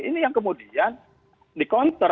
ini yang kemudian dikonter